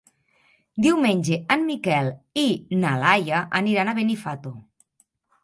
Diumenge en Miquel i na Laia aniran a Benifato.